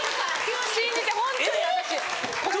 信じてホントに私ここ。